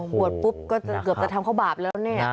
ปวดปุ๊บก็เกือบจะทำข้าวบาปแล้วเนี่ย